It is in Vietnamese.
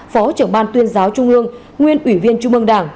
phó trưởng ban tuyên giáo trung ương nguyên ủy viên trung ương đảng